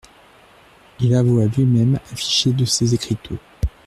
Il avoit lui-même affiché de ses écriteaux.